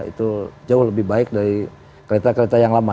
itu jauh lebih baik dari kereta kereta yang lama